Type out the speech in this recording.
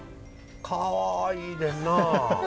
かわいいでんなあ。